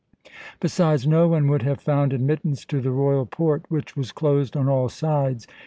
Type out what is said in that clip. Besides, no one would have found admittance to the royal port, which was closed on all sides.